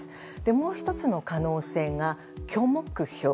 もう１つの可能性が虚目標。